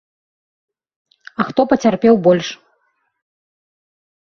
А хто пацярпеў больш?